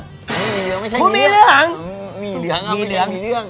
ไม่ใช่หมี่เหลืองคุณหมี่เหลืองหมี่เหลืองหมี่เหลืองหมี่เหลือง